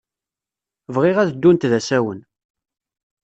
Bɣiɣ ad ddunt d asawen.